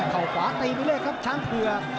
เข้าขวาตีไปเลยครับช้างเผือก